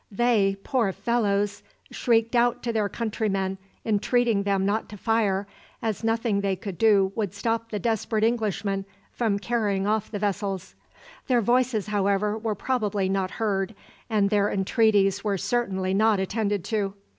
They, poor fellows! shrieked out to their countrymen, entreating them not to fire, as nothing they could do would stop the desperate Englishmen from carrying off the vessels. Their voices, however, were probably not heard, and their entreaties were certainly not attended to.